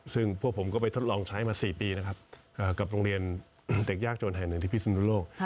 ซึ่งพวกผมก็ไปทดลองใช้มา๔ปีนะครับกับโรงเรียนเด็กยากจนแห่งหนึ่งที่พิศนุโลก